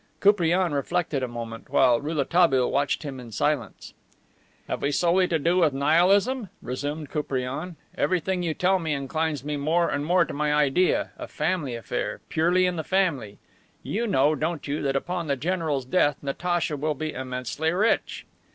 Koupriane reflected a minute, while Rouletabille watched him in silence. "Have we solely to do with Nihilism?" resumed Koupriane. "Everything you tell me inclines me more and more to my idea: a family affair, purely in the family. You know, don't you, that upon the general's death Natacha will be immensely rich?"